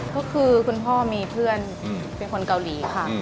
ก็คือคุณพ่อมีเพื่อนเป็นคนเกาหลีค่ะ